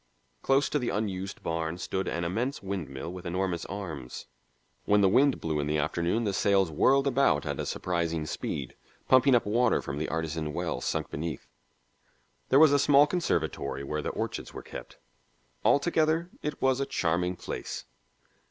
Close to the unused barn stood an immense windmill with enormous arms; when the wind blew in the afternoon the sails whirled about at a surprising speed, pumping up water from the artesian well sunk beneath. There was a small conservatory where the orchids were kept. Altogether, it was a charming place.